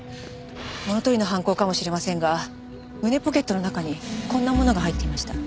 物取りの犯行かもしれませんが胸ポケットの中にこんなものが入っていました。